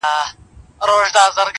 د عشق مربي وباله